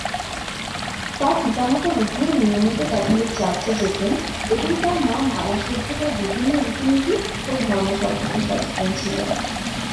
তার পিতামাতা উভয়ে নিয়মিত ক্যাথলিক চার্চে যেতেন, এবং তার মা মায়া সভ্যতার বিভিন্ন রীতি-নীতি ও ধর্ম সম্পর্কে সচেতন ছিলেন।